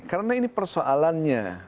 karena ini persoalannya